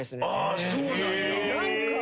そうなんだ。